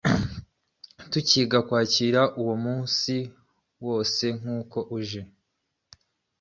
tukiga kwakira umunsi wose nk’uko uje.